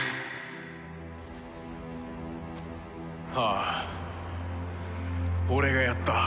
ああ俺がやった。